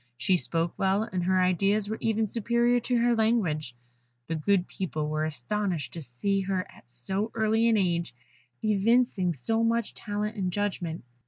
She spoke well, and her ideas were even superior to her language. The good people were astonished to see her at so early an age evincing so much talent and judgment.